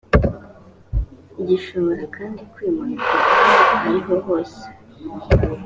gishobora kandi kwimurirwa aho ari ho hose